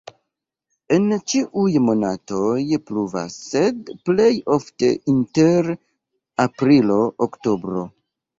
En ĉiuj monatoj pluvas, sed plej ofte inter aprilo-oktobro.